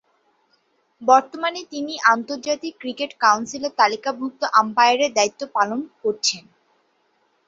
বর্তমানে তিনি আন্তর্জাতিক ক্রিকেট কাউন্সিলের তালিকাভূক্ত আম্পায়ারের দায়িত্ব পালন করছেন।